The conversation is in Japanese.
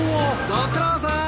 ご苦労さん！